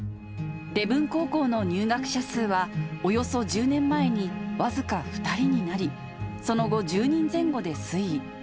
礼文高校の入学者数は、およそ１０年前に僅か２人になり、その後、１０人前後で推移。